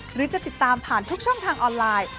หรือจะติดตามผ่านทุกช่องทางออนไลน์